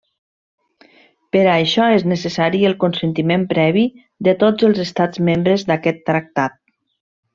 Per a això és necessari el consentiment previ de tots els estats membres d'aquest tractat.